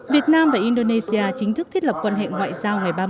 việt nam và indonesia chính thức thiết lập quan hệ ngoại giao ngày ba mươi